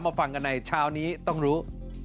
มาฟังกันไหนชาวนี้ต้องรู้